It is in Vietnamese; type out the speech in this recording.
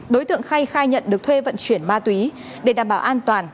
đối tượng khay khai nhận được thuê vận chuyển ma túy để đảm bảo an toàn